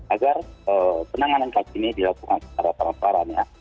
agar penanganan kali ini dilakukan secara parah parahnya